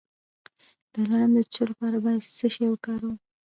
د لړم د چیچلو لپاره باید څه شی وکاروم؟